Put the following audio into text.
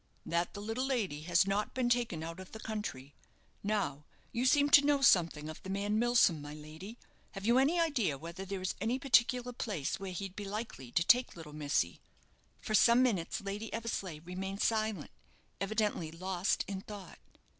"That the little lady has not been taken out of the country. Now, you seem to know something of the man Milsom, my lady. Have you any idea whether there is any particular place where he'd be likely to take little missy?" For some minutes Lady Eversleigh remained silent, evidently lost in thought.